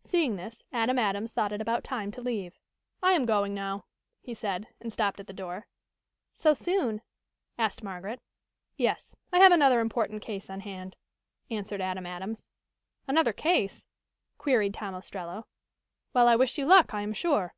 Seeing this, Adam Adams thought it about time to leave. "I am going now," he said, and stopped at the door. "So soon?" asked Margaret. "Yes, I have another important case on hand," answered Adam Adams. "Another case?" queried Tom Ostrello. "Well, I wish you luck, I am sure."